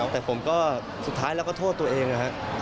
แต่ผมก็สุดท้ายแล้วก็โทษตัวเอง